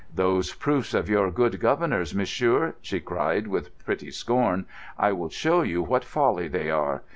"Those proofs of your good Governor's, monsieur," she cried, with pretty scorn, "I will show you what folly they are.